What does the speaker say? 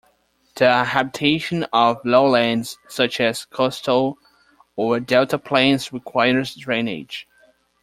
The habitation of lowlands, such as coastal or delta plains, requires drainage.